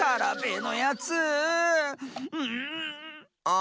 あ。